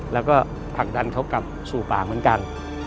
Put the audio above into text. แล้วก็ผลักดันเขากลับสู่ปากเหมือนกัน